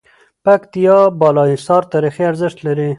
پکتيا بالاحصار تاريخي ارزښت لری